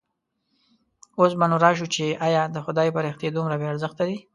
اوس به نو راشو چې ایا د خدای فرښتې دومره بې ارزښته دي.